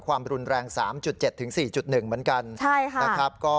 ความรุนแรง๓๐จุดเจ็ดถึง๔๑เหมือนกัน